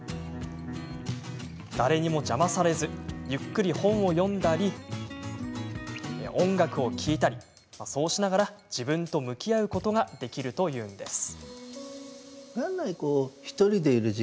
誰にも邪魔されずゆっくり本を読んだり音楽を聴いたりそうしながら自分と向き合うことができるというのです。